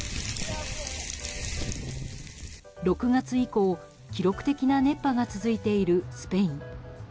６月以降、記録的な熱波が続いているスペイン。